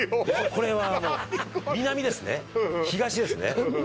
これはもう南ですね東ですね